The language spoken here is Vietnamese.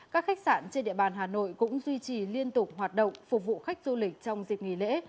các khách sạn trên địa bàn hà nội cũng duy trì liên tục hoạt động phục vụ khách du lịch trong dịp nghỉ lễ